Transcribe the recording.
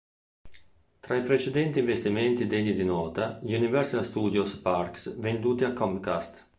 Tra i precedenti investimenti degni di nota gli Universal Studios Parks, venduti a Comcast.